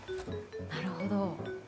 なるほど。